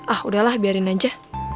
ah udahlah biarin aja